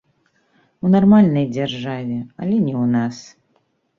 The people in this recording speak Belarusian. У нармальнай дзяржаве, але не ў нас.